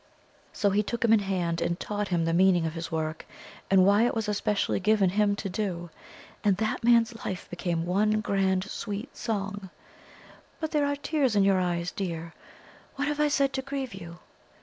So he took him in hand, and taught him the meaning of his work, and why it was especially given him to do; and that man's life became 'one grand sweet song.' But there are tears in your eyes, dear! What have I said to grieve you?"